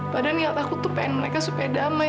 padahal niat aku itu ingin mereka supaya damai